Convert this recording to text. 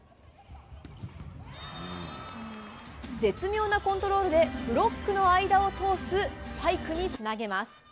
絶妙なコントロールで、ブロックの間を通すスパイクにつなげます。